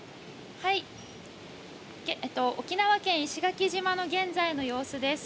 沖縄県・石垣島の現在の様子です。